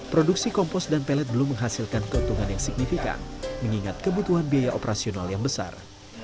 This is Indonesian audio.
produksi kompos dan pelet belum menghasilkan keuntungan yang signifikan mengingat kebutuhan biaya operasional yang besar